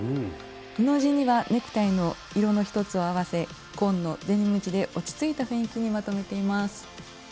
布地にはネクタイの色の１つを合わせ紺のデニム地で落ち着いた雰囲気にまとめています。